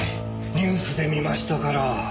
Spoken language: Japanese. ニュースで見ましたから。